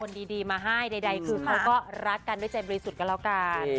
ดีมาให้ใดคือเขาก็รักกันด้วยใจบริสุทธิ์ก็แล้วกัน